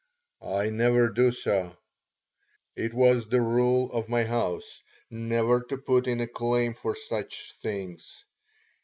I never do so. It is the rule of my house never to put in a claim for such things.